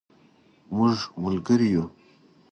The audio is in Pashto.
مونږ ملګري یو